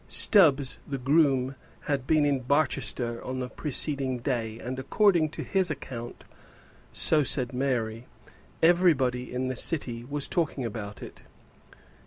Stubbs, the groom, had been in Barchester on the preceding day, and, according to his account so said Mary everybody in the city was talking about it.